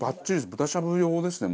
豚しゃぶ用ですね